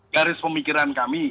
garis pemikiran kami